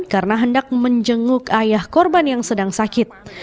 karena hendak menjenguk ayah korban yang sedang sakit